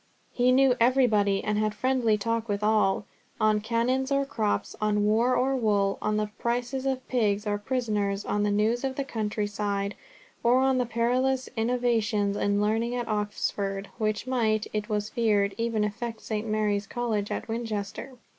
He knew everybody, and had friendly talk with all, on canons or crops, on war or wool, on the prices of pigs or prisoners, on the news of the country side, or on the perilous innovations in learning at Oxford, which might, it was feared, even affect St. Mary's College at Winchester.